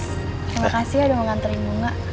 terima kasih sudah mengantarkan saya